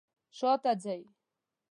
شاته ځئ